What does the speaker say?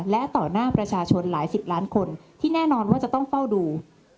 และต่อหน้าประชาชนหลายสิบล้านคนที่แน่นอนว่าจะต้องเฝ้าดู